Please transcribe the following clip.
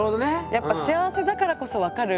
やっぱ幸せだからこそ分かる。